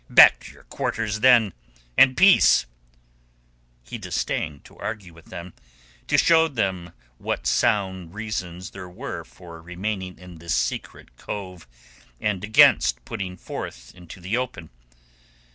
Back to your quarters, then, and peace!" He disdained to argue with them, to show them what sound reasons there were for remaining in this secret cove and against putting forth into the open.